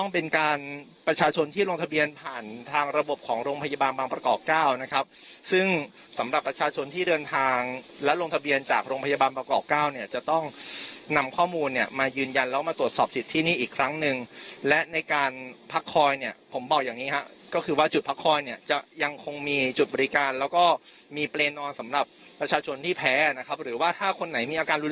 ประชาชนที่ลงทะเบียนผ่านทางระบบของโรงพยาบาลบางประกอบ๙นะครับซึ่งสำหรับประชาชนที่เดินทางและลงทะเบียนจากโรงพยาบาลบางประกอบ๙เนี่ยจะต้องนำข้อมูลเนี่ยมายืนยันแล้วมาตรวจสอบสิทธิ์ที่นี่อีกครั้งนึงและในการพักคอยเนี่ยผมบอกอย่างนี้ฮะก็คือว่าจุดพักคอยเนี่ยจะยังคงมีจุดบริ